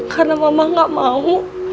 karena mama gak mau